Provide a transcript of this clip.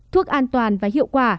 thuốc an toàn và hiệu quả